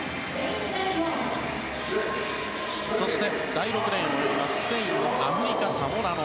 そして、第６レーンを泳ぐのはスペインのアフリカ・サモラノ。